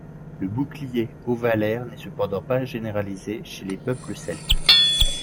Le bouclier ovalaire n'est cependant pas généralisé chez les peuples celtes.